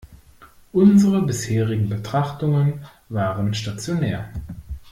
Unsere bisherigen Betrachtungen waren stationär.